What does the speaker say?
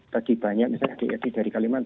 tadi banyak misalnya diadik dari kalimantan